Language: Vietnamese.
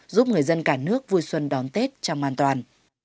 giúp người dân cả nước vui xuân đón tết trong an toàn